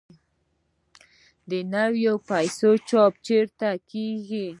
د نویو پیسو چاپ چیرته کیږي؟